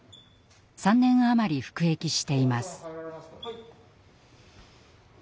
３年余り服役しています。